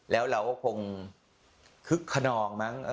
แล้วเราก็คงคึกขนองมั้ง